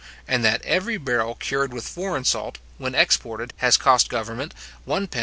and that every barrel cured with foreign salt, when exported, has cost government £1:7:5¾d.